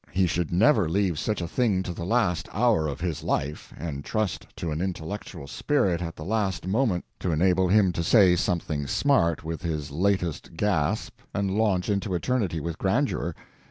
He should never leave such a thing to the last hour of his life, and trust to an intellectual spirit at the last moment to enable him to say something smart with his latest gasp and launch into eternity with grandeur.